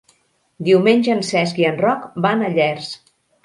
Diumenge en Cesc i en Roc van a Llers.